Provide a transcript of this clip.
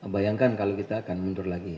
bayangkan kalau kita akan mundur lagi